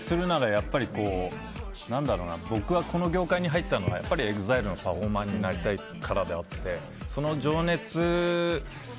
やっぱり僕はこの業界に入ったのはＥＸＩＬＥのパフォーマーになりたいからであってその情熱。